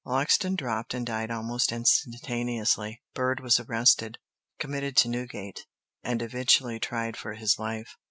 Loxton dropped and died almost instantaneously. Bird was arrested, committed to Newgate, and eventually tried for his life.